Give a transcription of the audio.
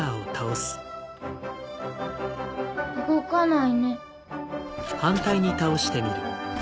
動かないね。